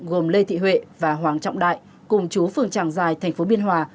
gồm lê thị huệ và hoàng trọng đại cùng chú phường tràng giài tp biên hòa